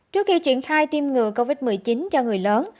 trước khi triển khai tiêm ngừa covid một mươi chín cho người lớn